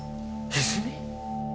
泉！？